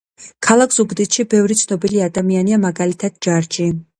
ქალაქ ზუგდიდში ბევრი ცნობილი ადამიანია მაგალითად ჯარჯი